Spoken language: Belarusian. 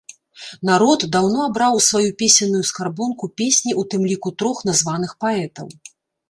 Народ даўно абраў у сваю песенную скарбонку песні ў тым ліку трох названых паэтаў.